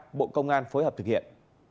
cảnh sát điều tra bộ công an phối hợp thực hiện